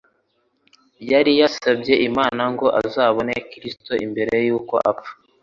Yari yasabye Imana ngo azabone Kristo mbere y'uko apfa,